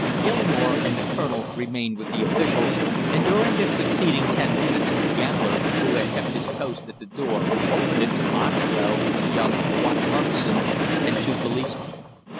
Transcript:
Gilmore and the colonel remained with the officials and during the succeeding ten minutes the gambler, who had kept his post at the door, opened, it to Moxlow, young Watt Harbison and two policemen.